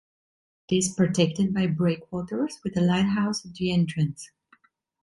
It is protected by breakwaters, with a lighthouse at the entrance.